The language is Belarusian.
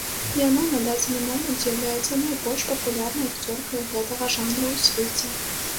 Яна на дадзены момант з'яўляецца найбольш папулярнай акцёркай гэтага жанру ў свеце.